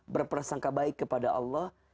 berprasangka baik kepada allah